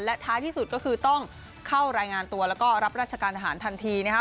และท้ายที่สุดก็คือต้องเข้ารายงานตัวแล้วก็รับราชการทหารทันทีนะคะ